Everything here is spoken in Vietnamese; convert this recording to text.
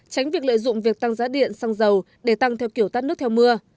tránh việc lợi dụng việc tăng giá điện xăng dầu để tăng theo kiểu tắt nước theo mưa